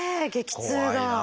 激痛が。